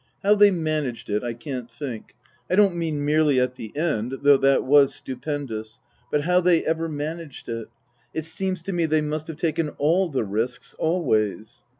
How they managed it I can't think. I don't mean merely at the end, though that was stupendous, but how they ever managed it. It seems to me they must have taken all the risks, always.